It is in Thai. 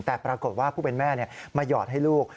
แต่ปรากฏว่าผู้เป็นแม่มาหยอดให้ลูก